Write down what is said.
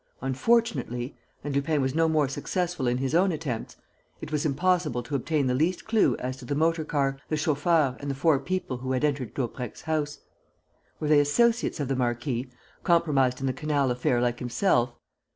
Unfortunately and Lupin was no more successful in his own attempts it was impossible to obtain the least clue as to the motor car, the chauffeur and the four people who had entered Daubrecq's house. Were they associates of the marquis, compromised in the canal affair like himself?